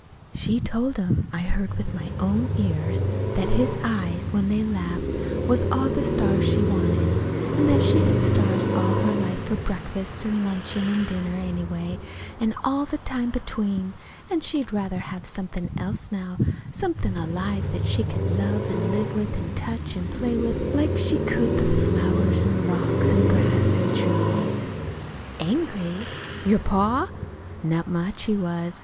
She told him I heard her with my own ears that his eyes, when they laughed, was all the stars she wanted; an' that she'd had stars all her life for breakfast an' luncheon an' dinner, anyway, an' all the time between; an' she'd rather have somethin' else, now somethin' alive, that she could love an' live with an' touch an' play with, like she could the flowers an' rocks an' grass an' trees. "Angry? Your pa? Not much he was!